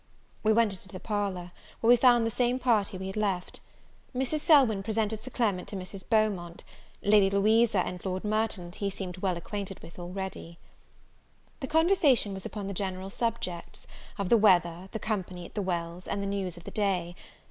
We went into the parlour, where we found the same party we had left. Mrs. Selwyn presented Sir Clement to Mrs. Beaumont; Lady Louisa and Lord Merton he seemed well acquainted with already. The conversation was upon the general subjects, of the weather, the company at the Wells, and the news of the day.